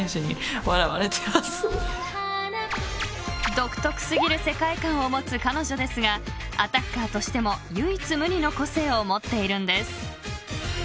［独特すぎる世界観を持つ彼女ですがアタッカーとしても唯一無二の個性を持っているんです］